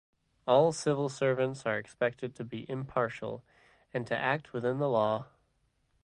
All civil servants are expected to be impartial, and to act within the law.